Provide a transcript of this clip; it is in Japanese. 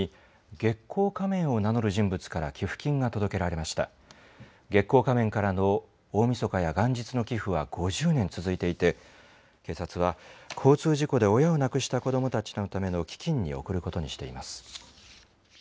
月光仮面からの大みそかや元日の寄付は５０年続いていて、警察は交通事故で親を亡くした子どもたちのための基金に贈ることにしています。